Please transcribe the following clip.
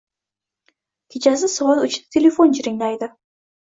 Kechasi soat uchda telefon jiringlaydi: